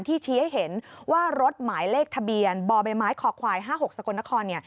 ที่ชี้ให้เห็นว่ารถหมายเลขทะเบียนบบข๕๖สกน